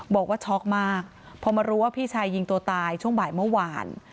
บอกว่าช็อกมากพอมารู้ว่าพี่ชายยิงตัวตายช่วงบ่ายเมื่อวาน